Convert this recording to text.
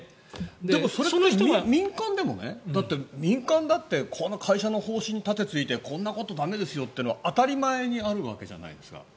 でもそれって、民間でも民間だってこの会社の方針に盾ついてこんなことは駄目ですよと当たり前にあるわけじゃないですか。